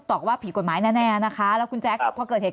อกว่าผิดกฎหมายแน่นะคะแล้วคุณแจ๊คพอเกิดเหตุ